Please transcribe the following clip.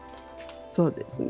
そうですね